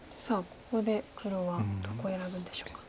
ここで黒はどこを選ぶんでしょうか。